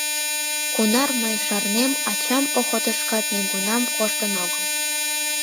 Кунар мый шарнем, ачам охотышкат нигунам коштын огыл.